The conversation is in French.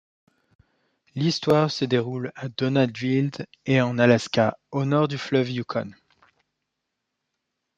L'histoire se déroule à Donaldville et en Alaska, au nord du fleuve Yukon.